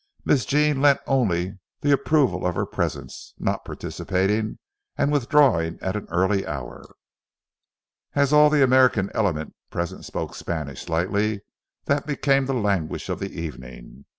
Miss Jean lent only the approval of her presence, not participating, and withdrawing at an early hour. As all the American element present spoke Spanish slightly, that became the language of the evening.